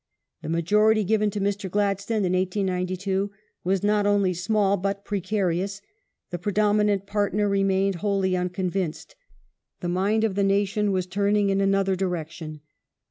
The majority given to Mr, Gladstone in 1892 was not only small but precarious ; the pr dominant partner remained wholly unconvinced ; the mind of the nation was turning in another direction.